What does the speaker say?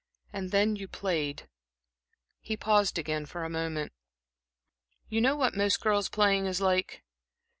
And then you played" He paused again for a moment. "You know what most girls' playing is like.